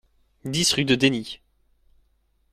dix rue de Denny